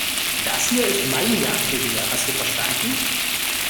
Das hier ist mein Jagdrevier, hast du verstanden?